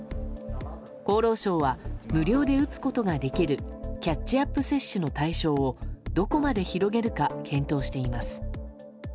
厚労省は無料で打つことができるキャッチアップ接種の対象をどこまで広げるか検討しています。